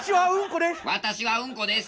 私はうんこです！